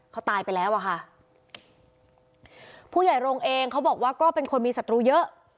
เขาตายไปแล้วอะค่ะผู้ใหญ่โรงเองเขาบอกว่าก็เป็นคนมีศัตรูเยอะ